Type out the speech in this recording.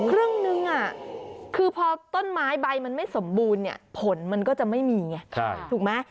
ครึ่งนึงคือพอต้นไม้ใบมันไม่สมบูรณ์เนี่ยผลมันก็จะไม่มีไงถูกไหม